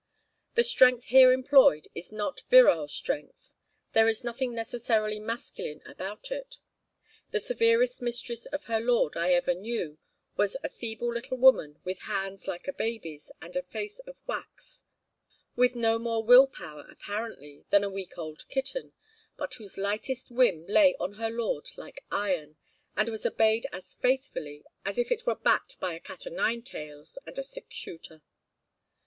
The strength here employed is not virile strength; there is nothing necessarily masculine about it. The severest mistress of her lord I ever knew was a feeble little woman with hands like a baby's, and a face of wax, with no more will power apparently than a week old kitten, but whose lightest whim lay on her lord like iron, and was obeyed as faithfully as if it were backed by a cat o' nine tails and a six shooter.